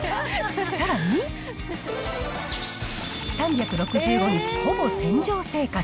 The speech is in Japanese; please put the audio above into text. さらに、３６５日ほぼ船上生活。